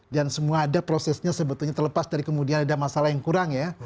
dan semua ada prosesnya sebetulnya terlepas dari kemudian ada masalah yang kurang ya